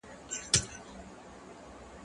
زه به سبا ونې ته اوبه ورکوم!.